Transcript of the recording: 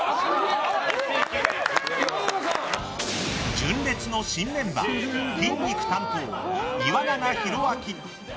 純烈の新メンバー筋肉担当、岩永洋昭。